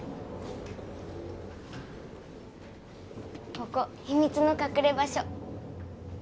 ここ秘密の隠れ場所